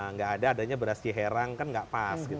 nggak ada adanya beras jeherang kan nggak pas